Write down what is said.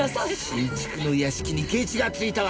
新築の屋敷にケチがついたわ！